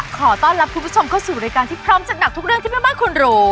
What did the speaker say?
ขอต้อนรับคุณผู้ชมเข้าสู่รายการที่พร้อมจัดหนักทุกเรื่องที่แม่บ้านคุณรู้